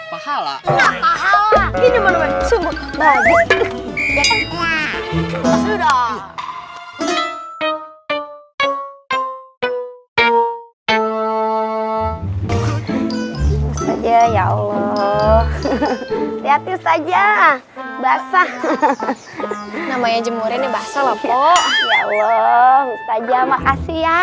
ya allah ya allah siap siap saja basah namanya jemur ini basah lho oh ya allah saja makasih ya